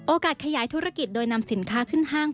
ขยายธุรกิจโดยนำสินค้าขึ้นห้าง